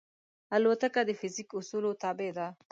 الوتکه د فزیک اصولو تابع ده.